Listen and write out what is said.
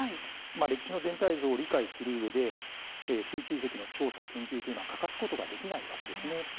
歴史の全体像を理解するうえで水中遺跡の調査・研究というのは欠かすことができないわけですね。